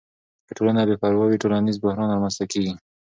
که ټولنه بې پروا وي، ټولنیز بحران رامنځته کیږي.